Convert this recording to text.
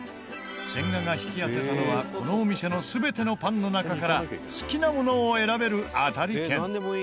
千賀が引き当てたのはこのお店の全てのパンの中から好きなものを選べる当たり券。